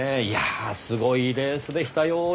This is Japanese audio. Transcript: いやぁすごいレースでしたよ。